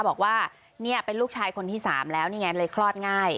บอกว่าเนี่ยเป็นลูกชายคนที่๓แล้วนี่ไงเลยคลอดง่าย